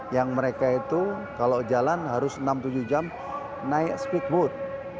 yang mereka itu kalau jalan harus enam tujuh jam naik speedboat